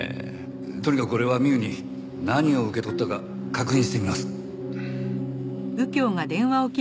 とにかく俺はミウに何を受け取ったか確認してみます。